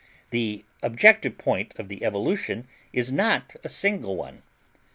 The objective point of the evolution is not a single one.